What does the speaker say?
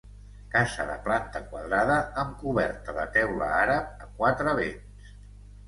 Casa de planta quadrada amb coberta de teula àrab a quatre vents.